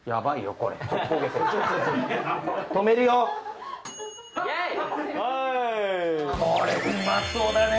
これうまそうだね。